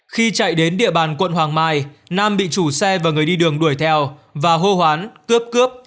khi chạy đến địa bàn quận hoàng mai nam bị chủ xe và người đi đường đuổi theo và hô hoán cướp cướp